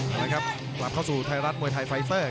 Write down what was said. กำปั้นขวาสายวัดระยะไปเรื่อย